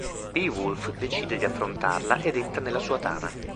Beowulf decide di affrontarla ed entra nella sua tana.